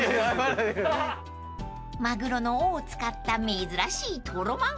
［マグロの尾を使った珍しいとろまん］